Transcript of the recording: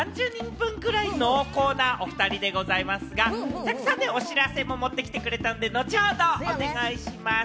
ありがとう！おふたりでね、３２分くらいの濃厚なおふたりでございますが、たくさんお知らせも持ってきてくれたんで、後ほどお願いします。